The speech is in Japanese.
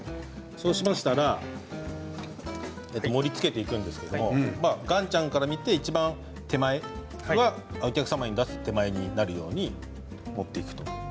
そうしましたら盛りつけていくんですけれども岩ちゃんから見ていちばん手前はお客様に出す手前になるように持っていくと。